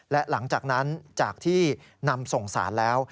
และหลังจากนั้นจากที่นำส่งสารแล้ว